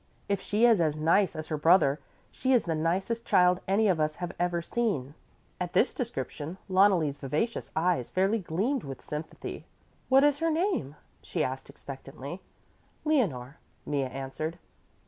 If she is as nice as her brother, she is the nicest child any of us have ever seen." At this description Loneli's vivacious eyes fairly gleamed with sympathy. "What is her name," she asked expectantly. "Leonore," Mea answered.